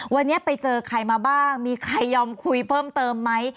วันนี้ไปเจอใครมาบ้างมีใครยอมคุยเพิ่มเติมไหม